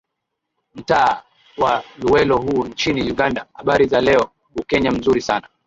mtaa wa luwelo huu nchini uganda habari za leo bukenya mzuri sana